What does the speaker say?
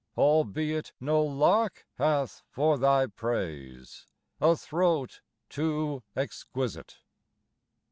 albeit no lark Hath for thy praise a throat too exquisite.